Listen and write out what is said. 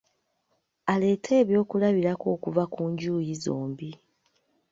Aleete eby'okulabirako okuva ku njuyi zombi.